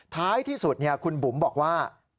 ท้ายที่สุดคุณบุ๋มบอกว่า